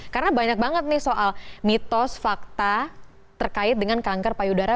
karena banyak banget nih soal mitos fakta terkait dengan kanker payudara